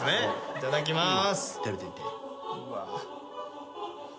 いただきます。